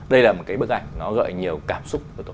đây là một cái bức ảnh nó gợi nhiều cảm xúc